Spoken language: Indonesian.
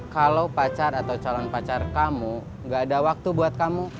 kalau pacar atau calon pacar kamu gak ada waktu buat kamu